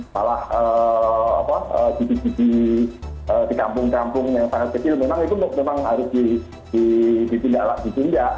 malah di kampung kampung yang sangat kecil memang itu memang harus dipindahkan